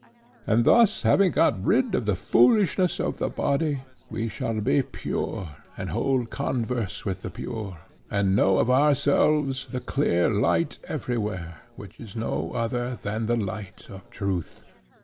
And thus having got rid of the foolishness of the body we shall be pure and hold converse with the pure, and know of ourselves the clear light everywhere, which is no other than the light of truth.'